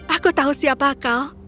aku tahu siapa kau